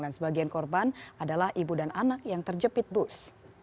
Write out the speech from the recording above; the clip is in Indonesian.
dan sebagian korban adalah ibu dan anak yang terjepit bus